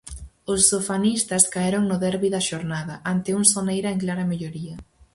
Os sofanistas caeron no derbi da xornada, ante un Soneira en clara melloría.